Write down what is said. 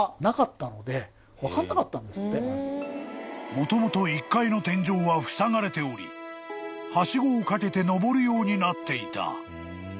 ［もともと１階の天井はふさがれておりはしごをかけて上るようになっていた］